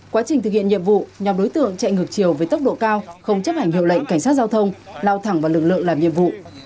quá trình thực hiện nhiệm vụ nhóm đối tượng chạy ngược chiều với tốc độ cao không chấp hành hiệu lệnh cảnh sát giao thông lao thẳng vào lực lượng làm nhiệm vụ